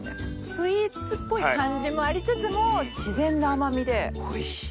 スイーツっぽい感じもありつつも自然な甘みでおいしい。